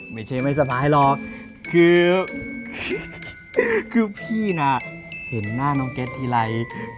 ไม่ใช่ไม่สบายหรอกคือพี่น่ะเห็นหน้าน้องเก็ตทีไร